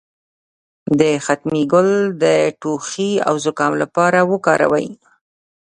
د ختمي ګل د ټوخي او زکام لپاره وکاروئ